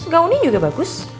gaunnya juga bagus